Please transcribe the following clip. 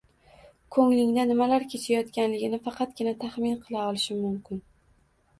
“Ko‘nglingda nimalar kechayotganligini faqatgina taxmin qila olishim mumkin